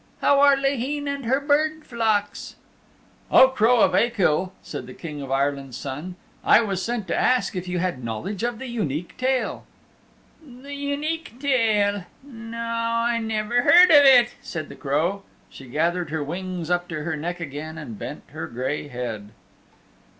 How are Laheen and her bird flocks?" "O Crow of Achill," said the King of Ireland's Son, "I was sent to ask if you had knowledge of the Unique Tale." "The Unique Tale! No, I never heard of it," said the Crow. She gathered her wings up to her neck again and bent her gray head.